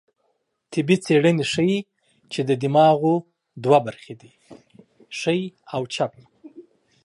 طبي څېړنې ښيي، چې د دماغو دوه برخې دي؛ ښۍ او چپه